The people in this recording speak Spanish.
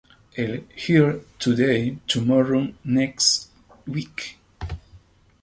En "Here Today, Tomorrow, Next Week!